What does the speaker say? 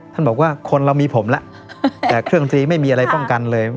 บอกว่าคนเรามีผมแล้วแต่เครื่องฟรีไม่มีอะไรป้องกันเลย